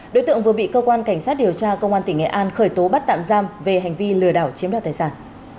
đối tượng vừa bị cơ quan cảnh sát điều tra công an tỉnh nghệ an khởi tố bắt tạm giam về hành vi lừa đảo chiếm đoạt tài sản